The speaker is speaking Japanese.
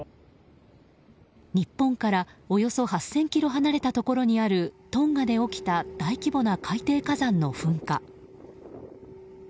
日本からおよそ８０００ｋｍ離れたところにあるトンガで起きた大規模な海底火山の噴火。